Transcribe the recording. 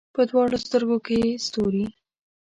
په دواړو سترګو کې یې ستوري